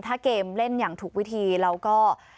ถ้าเกมเล่นอย่างถูกวิธีเราก็